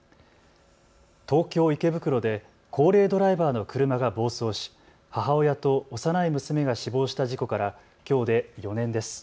東京池袋で高齢ドライバーの車が暴走し母親と幼い娘が死亡した事故からきょうで４年です。